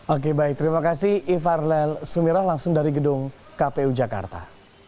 oke baik terima kasih ifar lel sumirah langsung dari gedung kpu jakarta